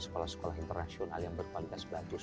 sekolah sekolah internasional yang berkualitas bagus